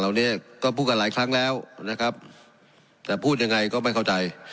เนี้ยก็พูดกันหลายครั้งแล้วนะครับแต่พูดยังไงก็ไม่เข้าใจ